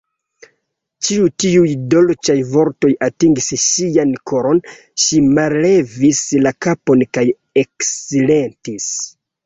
Ĉi tiuj dolĉaj vortoj atingis ŝian koron; ŝi mallevis la kapon kaj eksilentis.